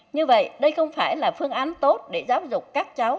như vậy đây không phải là phương án tốt để giáo dục các cháu